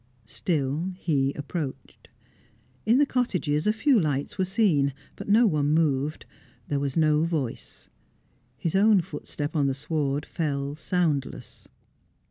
Still, he approached. In the cottages a few lights were seen; but no one moved; there was no voice. His own footstep on the sward fell soundless.